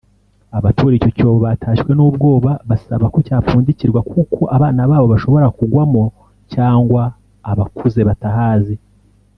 Abaturiye icyo cyobo batashywe n’ubwoba basaba ko cyapfundikirwa kuko abana babo bashobora kugwamo cyangwa abakuze batahazi